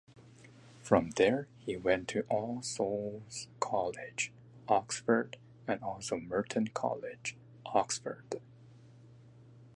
From there he went to All Souls College, Oxford and also Merton College, Oxford.